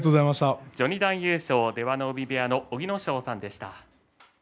序二段優勝は出羽海部屋の小城ノ正さんでした。